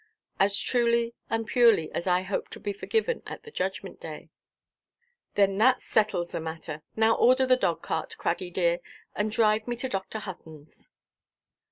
"As truly and purely as I hope to be forgiven at the judgment–day." "Then that settles that matter. Now order the dog–cart, Crady dear, and drive me to Dr. Huttonʼs."